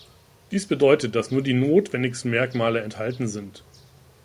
Dies bedeutet, dass nur die notwendigsten Merkmale enthalten sind.